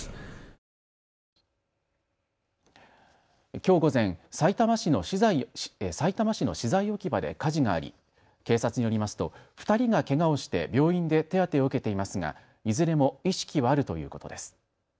きょう午前、さいたま市の資材置き場で火事があり警察によりますと２人がけがをして病院で手当てを受けていますがいずれも意識はあるということです。